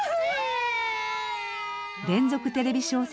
連続テレビ小説